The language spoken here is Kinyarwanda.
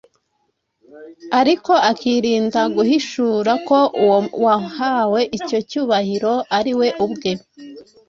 ariko akirinda guhishura ko uwo wahawe icyo cyubahiro ari we ubwe.